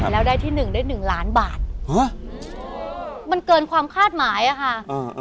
แล้วได้ที่หนึ่งได้หนึ่งล้านบาทฮะมันเกินความคาดหมายอ่ะค่ะอ่า